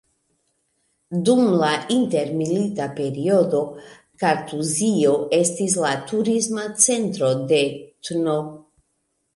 Dum la intermilita periodo Kartuzio estis la Turisma Centro de tn.